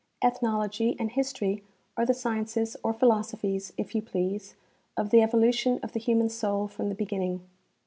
Ethnology and history are the sciences or philosophies, if you please, of the evolution of the human soul from the beginning.